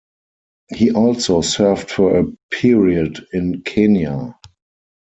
He also served for a period in Kenya.